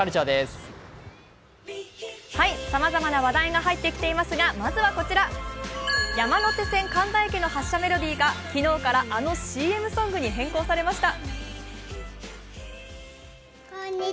さまざまな話題が入ってきていますがまずはこちら、山手線神田駅の発車メロディーが昨日からあのＣＭソングに変更されました。